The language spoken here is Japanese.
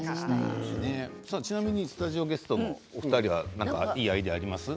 ちなみにスタジオゲストのお二人はいいアイデアありますか？